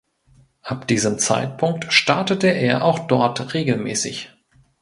Ab diesem Zeitpunkt startete er auch dort regelmäßig.